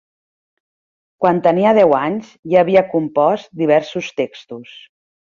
Quan tenia deu anys, ja havia compost diversos textos.